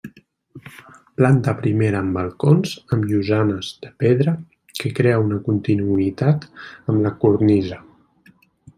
Planta primera amb balcons, amb llosanes de pedra, que crea una continuïtat amb la cornisa.